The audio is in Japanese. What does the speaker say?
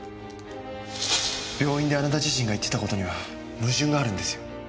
病院であなた自身が言ってた事には矛盾があるんですよ。